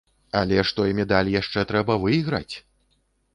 Але ж той медаль яшчэ трэба выйграць!